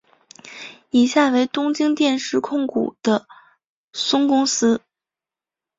以下为东京电视控股的孙公司。